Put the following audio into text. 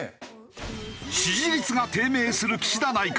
支持率が低迷する岸田内閣。